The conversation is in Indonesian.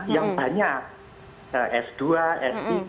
yang banyak s dua s tiga